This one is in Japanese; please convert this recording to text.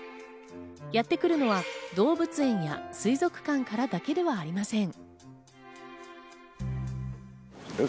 やってくるのは動物園や水族館からだけではありません。